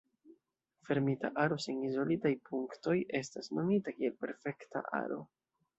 Fermita aro sen izolitaj punktoj estas nomita kiel perfekta aro.